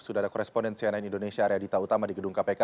sudah ada korespondensi ann indonesia arya dita utama di gedung kpk